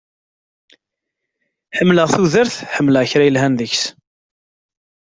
Ḥemmleɣ tudert, ḥemmleɣ kra yelhan deg-s.